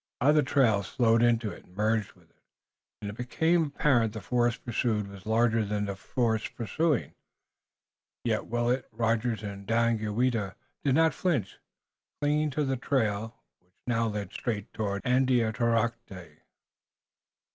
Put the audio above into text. Other trails flowed into and merged with it, and it became apparent that the force pursued was larger than the force pursuing. Yet Willet, Rogers and Daganoweda did not flinch, clinging to the trail, which now led straight toward Andiatarocte.